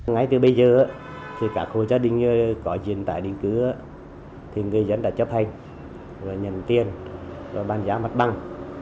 ngay từ bây giờ các hộ gia đình có chuyển tải định cư thì người dân đã chấp hành nhận tiền và bàn giao mặt bằng